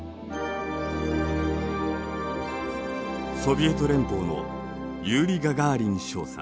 ソビエト連邦のユーリ・ガガーリン少佐。